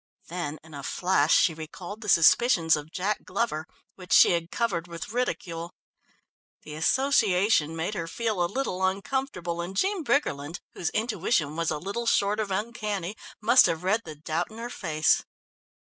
Then in a flash she recalled the suspicions of Jack Glover, which she had covered with ridicule. The association made her feel a little uncomfortable, and Jean Briggerland, whose intuition was a little short of uncanny, must have read the doubt in her face.